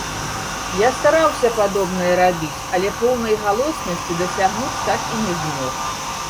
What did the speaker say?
Я стараўся падобнае рабіць, але поўнай галоснасці дасягнуць так і не змог.